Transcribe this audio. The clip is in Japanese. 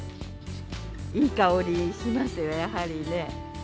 いい香りしますね、やはりね。